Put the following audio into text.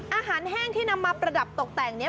อาหารแห้งที่นำมาประดับตกแต่งนี้